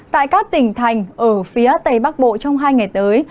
tại các tỉnh thành ở phía tây bắc bộ trong hai ngày tới